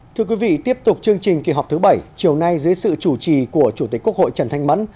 thưa quý vị tiếp tục chương trình kỳ họp thứ bảy chiều nay dưới sự chủ trì của chủ tịch quốc hội trần thanh mẫn